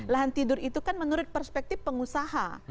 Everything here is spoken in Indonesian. lahan tidur itu kan menurut perspektif pengusaha